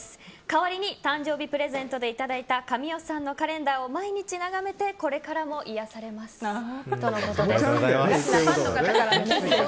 代わりに誕生日プレゼントでいただいた神尾さんのカレンダーを毎日眺めてこれからも癒やされますとのことです。